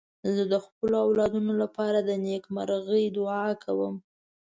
زه د خپلو اولادونو لپاره د نېکمرغۍ دعا کوم.